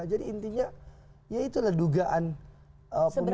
jadi intinya ya itulah dugaan pemilih tujuh itu